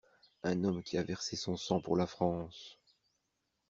Un homme qui a versé son sang pour la France!